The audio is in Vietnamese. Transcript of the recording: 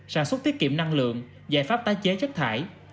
sản xuất tiết kiệm năng lượng giải pháp tái chế chất thải